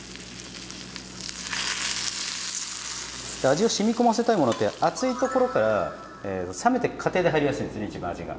味をしみこませたいものって熱いところから冷めてく過程で入りやすいんですね一番味が。